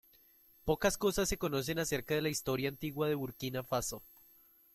Pocas cosas se conocen acerca de la historia antigua de Burkina Faso.